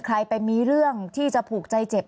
ใครไปมีเรื่องที่จะผูกใจเจ็บ